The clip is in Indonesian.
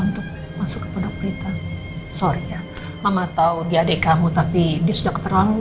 untuk masuk ke pendokterita ma ma tau dia adik kamu tapi dia sudah keterlaluan